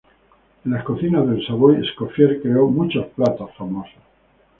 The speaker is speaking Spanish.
En las cocinas del Savoy, Escoffier creó muchos platos famosos.